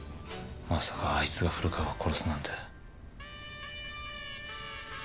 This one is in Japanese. まさかあいつが古川を殺すなんて。